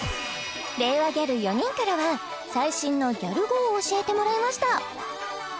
令和ギャル４人からは最新のギャル語を教えてもらいました